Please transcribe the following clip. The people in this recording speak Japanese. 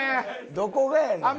どこがやねん。